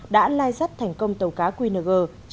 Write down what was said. đã lai sắt thành công tàu cá qng